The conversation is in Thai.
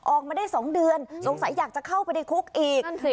ออกมาได้สองเดือนหรืออยากจะเข้าไปในคุกอีกนั่นสิ